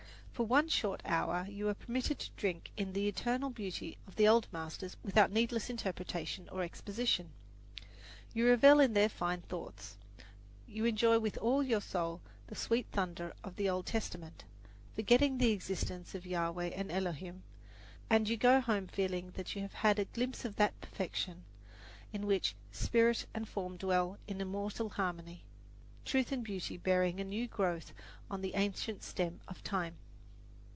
For one short hour you are permitted to drink in the eternal beauty of the old masters without needless interpretation or exposition. You revel in their fine thoughts. You enjoy with all your soul the sweet thunder of the Old Testament, forgetting the existence of Jahweh and Elohim; and you go home feeling that you have had "a glimpse of that perfection in which spirit and form dwell in immortal harmony; truth and beauty bearing a new growth on the ancient stem of time."